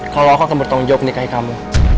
kalau aku akan bertanggung jawab nikahi kamu